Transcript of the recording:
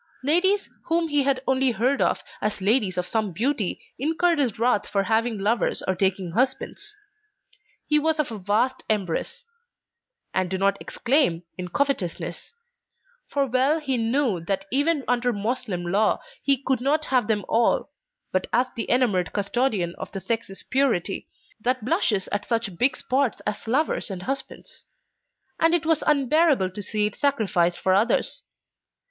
Ladies whom he had only heard of as ladies of some beauty incurred his wrath for having lovers or taking husbands. He was of a vast embrace; and do not exclaim, in covetousness; for well he knew that even under Moslem law he could not have them all but as the enamoured custodian of the sex's purity, that blushes at such big spots as lovers and husbands; and it was unbearable to see it sacrificed for others.